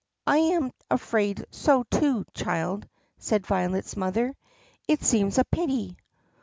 "I am afraid so too, child," said Violet's mother. "It seems a pity."